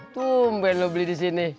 tumben lo beli disini